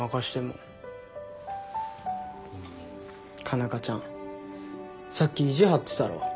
佳奈花ちゃんさっき意地張ってたろ？